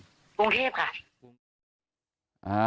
กรุงเทพฯค่ะ